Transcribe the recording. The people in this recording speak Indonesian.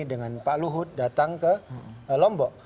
dengan pak luhut datang ke lombok